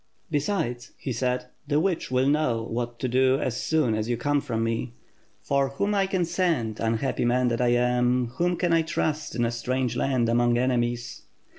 Be8.ides,' he said, 'the witch will know what to do as soon as you come from me; for whom can I send, unhappy man that I am, whom can I trust in a strange land, among enemies?'